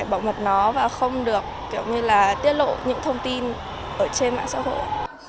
bảo mật nó và không được kiểu như là tiết lộ những thông tin ở trên mạng xã hội